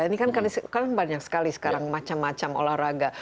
ini kan banyak sekali sekarang macam macam olahraga